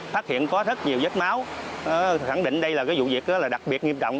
phát hiện có rất nhiều vết máu khẳng định đây là cái vụ việc đặc biệt nghiêm trọng